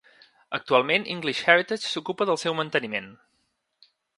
Actualment, English Heritage s'ocupa del seu manteniment.